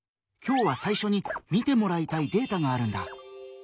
今日は最初に見てもらいたいデータがあるんだ。